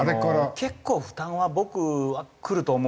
結構負担は僕はくると思うんですよ